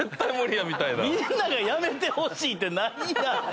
「みんなが辞めてほしい」って何やねん